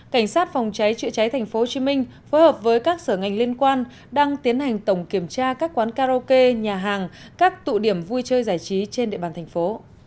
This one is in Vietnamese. cảnh sát phòng cháy chữa cháy tp hcm phối hợp với các sở ngành liên quan đang tiến hành tổng kiểm tra các quán karaoke nhà hàng các tụ điểm vui chơi giải trí trên địa bàn thành phố